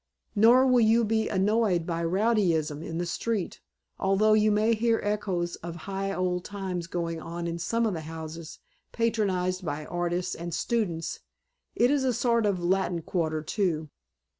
Nor will you be annoyed by rowdyism in the street, although you may hear echoes of high old times going on in some of the houses patronized by artists and students it's a sort of Latin Quarter, too.